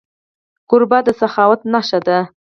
کوربه د سخاوت نښه ده.